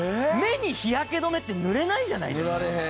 目に日焼け止めって塗れないじゃないですか。